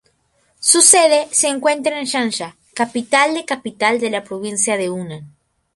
Su sede se encuentra en Changsha, capital de capital de la provincia de Hunan.